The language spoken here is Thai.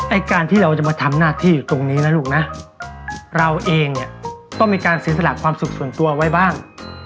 ไอ้การที่เราจะมาทำหน้าที่อยู่ตรงนี้นะลูกนะเราเองเนี่ยต้องมีการเสียสละความสุขส่วนตัวไว้บ้าง